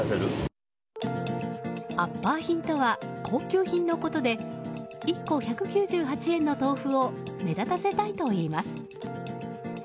アッパー品とは高級品のことで１個１９８円の豆腐を目立たせたいといいます。